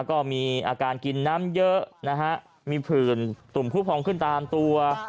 ก็มีอาการกินน้ำเยอะนะฮะมีผื่นตุ่มผู้พองขึ้นตามตัว